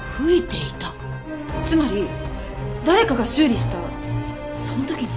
つまり誰かが修理したその時に？